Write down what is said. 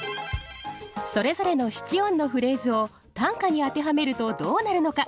それぞれの七音のフレーズを短歌に当てはめるとどうなるのか。